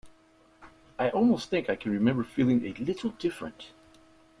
I almost think I can remember feeling a little different.